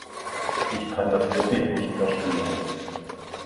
Ich kann das wirklich nicht verstehen.